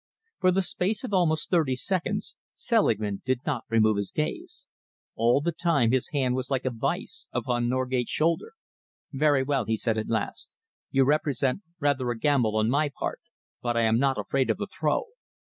For the space of almost thirty seconds Selingman did not remove his gaze. All the time his hand was like a vice upon Norgate's shoulder. "Very well," he said at last, "you represent rather a gamble on my part, but I am not afraid of the throw.